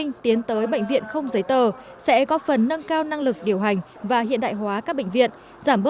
trong tương lai từ mô hình bệnh viện không giấy tờ sẽ có phần nâng cao năng lực điều hành và hiện đại hóa các bệnh viện không giấy tờ